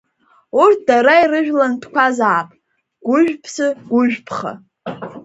Урҭ дара ирыжәлантәқәазаап Гәыжә Ԥсы, Гәыжә Ԥха.